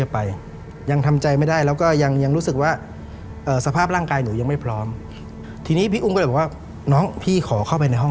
ไปในห้องได้ไหมน้องก็เลยว่า